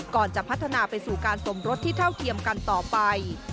ก่อนจะพัฒนาไปสู่การสมรสที่เท่าเทียมกันต่อไป